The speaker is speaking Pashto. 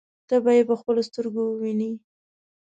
ته به يې په خپلو سترګو ووینې.